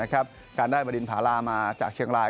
การได้บรินภารามาจากเชียงราย